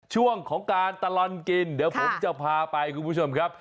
ช่วงของการตลอดกินเดี๋ยวผมจะพาไปคุณผู้ชมครับ